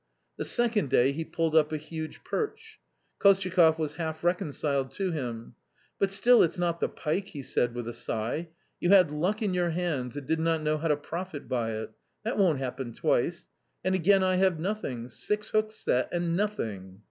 The second day he pulled up a huge perch. Kostyakoff was half reconciled to him. " But still it's not the pike !" he said with a sigh ;" you had luck in your hands, and did not know how to profit by it ; that won't happen twice. And again I have nothing ! six hooks set, and nothing